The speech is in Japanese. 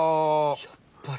やっぱり。